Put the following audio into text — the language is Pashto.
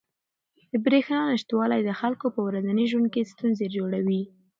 د بریښنا نشتوالی د خلکو په ورځني ژوند کې ستونزې جوړوي.